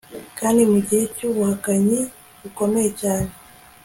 kandi mu gihe cyubuhakanyi bukomeye cyane